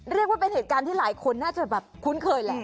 เรียกว่าเป็นเหตุการณ์ที่หลายคนน่าจะแบบคุ้นเคยแหละ